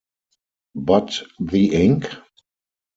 But the ink?